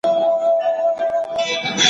هیوادونه چیري د ازادي سوداګرۍ خبري کوي؟